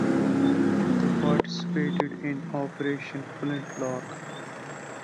The participated in "Operation Flintlock".